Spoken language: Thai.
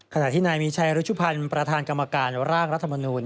ขณะที่นายมีชัยรุชุพันธ์ประธานกรรมการร่างรัฐมนูล